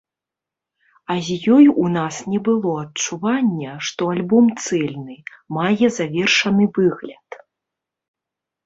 А з ёй у нас не было адчування, што альбом цэльны, мае завершаны выгляд.